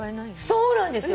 そうなんです